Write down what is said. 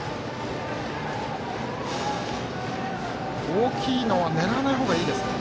大きいのを狙わない方がいいですか？